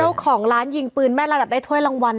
เจ้าของร้านหญิงปืนแม่ระดับได้ท่วยลังวัลนะคะ